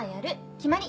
決まり！